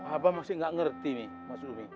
abah masih nggak ngerti nih maksud umi